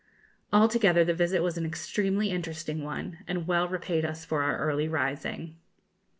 Altogether the visit was an extremely interesting one, and well repaid us for our early rising.